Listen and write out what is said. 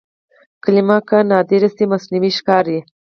کلمه که نادره شي مصنوعي ښکاري.